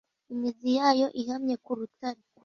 imizi yayo ihamye ku rutare